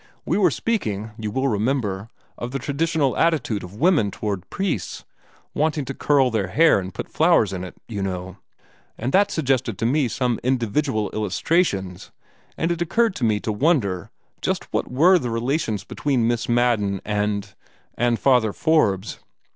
We were speaking, you will remember, of the traditional attitude of women toward priests wanting to curl their hair and put flowers in it, you know, and that suggested to me some individual illustrations, and it occurred to me to wonder just what were the relations between Miss Madden and and Father Forbes.